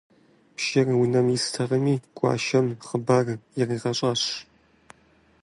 Пщыр унэм истэкъыми, гуащэм хъыбар иригъэщӏащ.